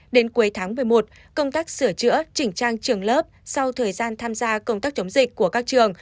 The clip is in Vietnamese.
đến cuối tháng một mươi một công tác sửa chữa chỉnh trang trường lớp sau thời gian tham gia công tác chống dịch của các trường